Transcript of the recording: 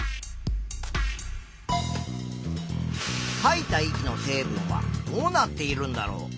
いた息の成分はどうなっているんだろう？